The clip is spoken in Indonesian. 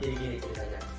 jadi gini ceritanya